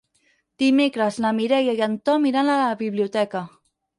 Dimecres na Mireia i en Tom iran a la biblioteca.